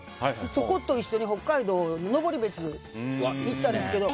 そこと一緒に北海道、登別に行ったんですけど。